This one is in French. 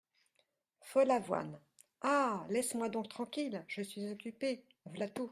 Follavoine Ah ! laisse-moi donc tranquille ! je suis occupé, v’là tout !